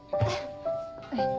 はい。